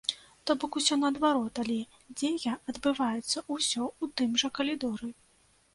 То бок усё наадварот, але дзея адбываецца ўсё ў тым жа калідоры.